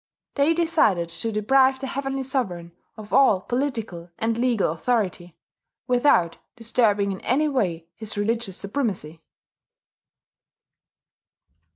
They decided to deprive the Heavenly Sovereign of all political and legal authority, without disturbing in any way his religious supremacy.